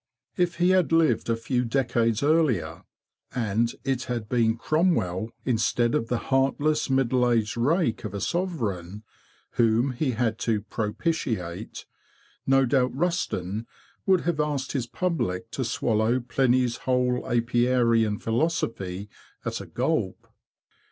If he had lived a few decades earlier, and it had been Cromwell, instead of the heartless, middle aged rake of a sovereign, whom he had to propitiate, no doubt Rusden would have asked his public to swallow Pliny's whole apiarian philosophy at a gulp.